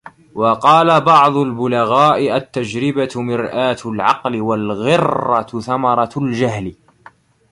وَقَالَ بَعْضُ الْبُلَغَاءِ التَّجْرِبَةُ مِرْآةُ الْعَقْلِ ، وَالْغِرَّةُ ثَمَرَةُ الْجَهْلِ